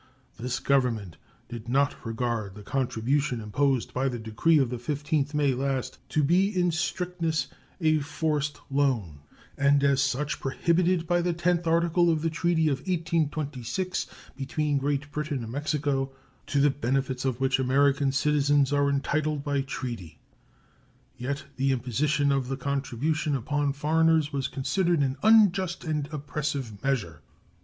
This Government did not regard the contribution imposed by the decree of the 15th May last to be in strictness a "forced loan," and as such prohibited by the tenth article of the treaty of 1826 between Great Britain and Mexico, to the benefits of which American citizens are entitled by treaty; yet the imposition of the contribution upon foreigners was considered an unjust and oppressive measure.